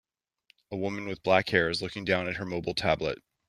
A woman with black hair is looking down at her mobile tablet.